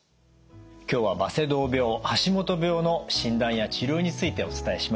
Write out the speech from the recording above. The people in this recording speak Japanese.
今日はバセドウ病橋本病の診断や治療についてお伝えしました。